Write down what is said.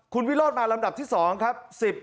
คุณวิโรธมาลำดับที่๒ครับ